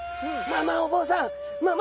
まあまあお坊さん